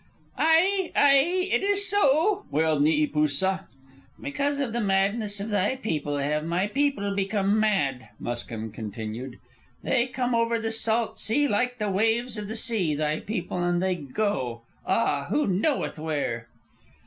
"Ai! Ai! It is so!" wailed Neepoosa. "Because of the madness of thy people have my people become mad," Muskim continued. "They come over the salt sea like the waves of the sea, thy people, and they go ah! who knoweth where?"